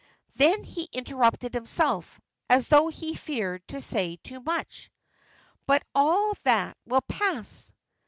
Then he interrupted himself, as though he feared to say so much. "But all that will pass."